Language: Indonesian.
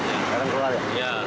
sekarang keluar ya